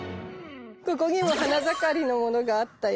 ここにも花盛りのものがあったよ。